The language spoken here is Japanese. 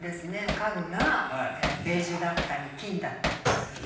家具がベージュだったり金だったりする。